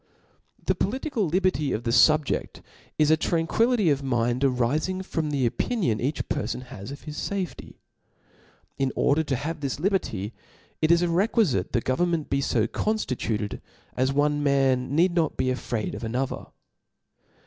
The political lib^ty o£ the fobjeft is a tranquil lity of mind arifing from the opinion each peribn has of his fafety. In order to have this liberty, it k requilite the government be &> conilitused as one man need not be afraid of another.